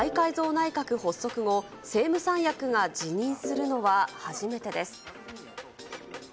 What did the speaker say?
内閣発足後、政務三役が辞任するのは初めてです。